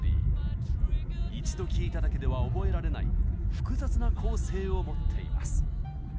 一度聴いただけでは覚えられない複雑な構成を持っています。